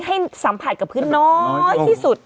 ให้สัมผัสกับพื้นน้อยที่สุด